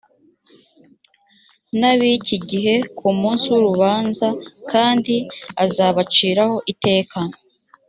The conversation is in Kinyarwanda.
n ab iki gihe ku munsi w urubanza kandi azabaciraho iteka